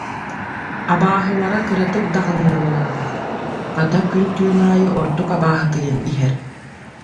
Абааһылара кыратык даҕаны намыраабат, хата күн-түүн аайы ордук абааһытыйан иһэр